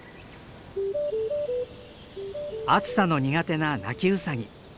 暑さの苦手なナキウサギ。